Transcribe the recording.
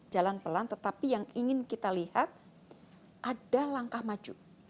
jalan pelan tetapi yang ingin kita lihat ada langkah maju